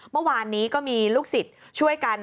เมื่อวานนี้ก็มีลูกศิษย์ช่วยกัน